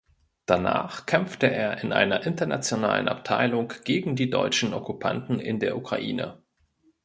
Danach kämpfte er in einer internationalen Abteilung gegen die deutschen Okkupanten in der Ukraine.